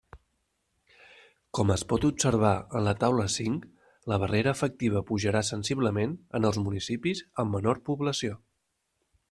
Com es pot observar en la taula cinc, la barrera efectiva pujarà sensiblement en els municipis amb menor població.